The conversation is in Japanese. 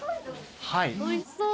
おいしそう。